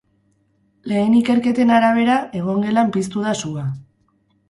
Lehen ikerketen arabera, egongelan piztu da sua.